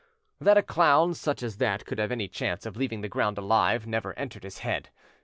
That a clown such as that could have any chance of leaving the ground alive never entered his head.